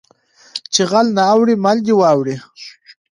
ـ چې غل نه اوړي مل دې واوړي .